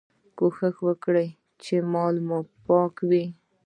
کوښښ وکړئ چي مال مو پاک وي.